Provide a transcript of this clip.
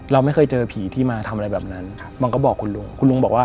เราไม่เคยเจอผีที่มาทำอะไรแบบนั้นมันก็บอกคุณลุงคุณลุงบอกว่า